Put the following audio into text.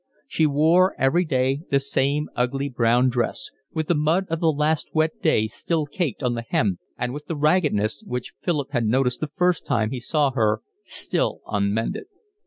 She wore every day the same ugly brown dress, with the mud of the last wet day still caked on the hem and with the raggedness, which Philip had noticed the first time he saw her, still unmended.